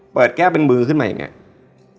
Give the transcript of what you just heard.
เปิดแก้วเป็นมือขึ้นมาอย่างเงี้ย